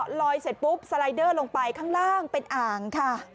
ลอยเสร็จปุ๊บสไลเดอร์ลงไปข้างล่างเป็นอ่างค่ะ